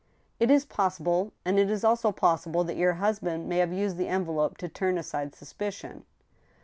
"" It is possible. And it is also possible that your husband may have used the envelope to turn aside suspicion."